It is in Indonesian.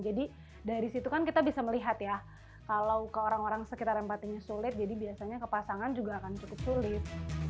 jadi dari situ kan kita bisa melihat ya kalau ke orang orang sekitar empatinya sulit jadi biasanya ke pasangan juga akan cukup sulit